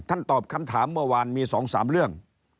ตอบคำถามเมื่อวานมี๒๓เรื่อง